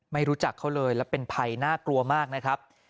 ไม่รู้จักเขาเลยแล้วเป็นภัยน่ากลัวมากนะครับ